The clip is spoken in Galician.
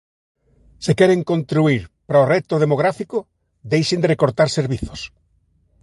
Se queren contribuír para o reto demográfico, deixen de recortar servizos.